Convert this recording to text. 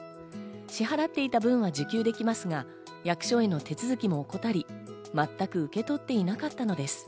支払っていた分は受給できますが、役所への手続きも怠り、全く受け取っていなかったのです。